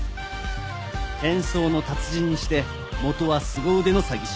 変装の達人にして元はすご腕の詐欺師。